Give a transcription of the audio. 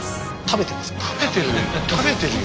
食べてる。